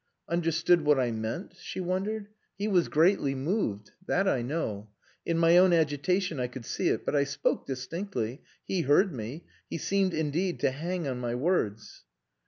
"Understood what I meant?" she wondered. "He was greatly moved. That I know! In my own agitation I could see it. But I spoke distinctly. He heard me; he seemed, indeed, to hang on my words..."